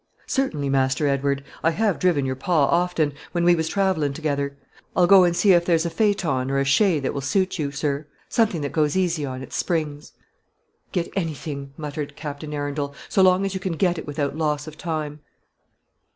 "Certainly, Master Edward; I have driven your pa often, when we was travellin' together. I'll go and see if there's a phee aton or a shay that will suit you, sir; something that goes easy on its springs." "Get anything," muttered Captain Arundel, "so long as you can get it without loss of time."